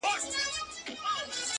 د خان ماینې ته هر څوک بي بي وایي -